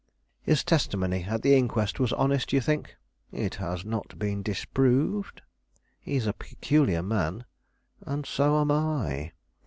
"His testimony at the inquest was honest, you think?" "It has not been disproved." "He is a peculiar man." "And so am I."